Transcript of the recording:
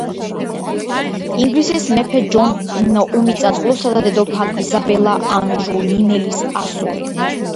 ინგლისის მეფე ჯონ უმიწაწყლოსა და დედოფალ იზაბელა ანჟულიმელის ასული.